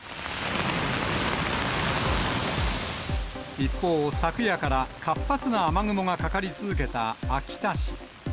一方、昨夜から活発な雨雲がかかり続けた秋田市。